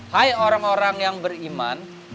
hai orang orang yang beriman